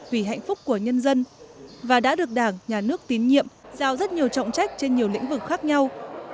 vì hạnh phúc của nhân dân và đã được đảng nhà nước tín nhiệm giao rất nhiều trọng trách trên nhiều lĩnh vực khác nhau